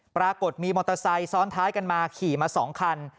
ปรากฏมีมอเตอร์ไซค์ซ้อนท้ายกันมาขี่มา๒คัน